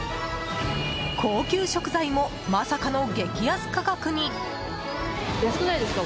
高級食材もまさかの激安価格に。